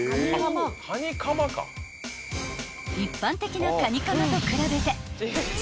［一般的なカニかまと比べて］